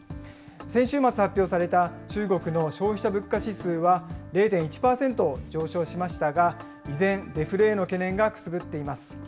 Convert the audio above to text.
先週末発表された、中国の消費者物価指数は０．１％上昇しましたが、依然、デフレへの懸念がくすぶっています。